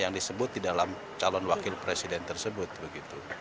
yang disebut di dalam calon wakil presiden tersebut begitu